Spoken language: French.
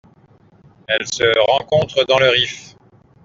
Elle se rencontre dans le Rif.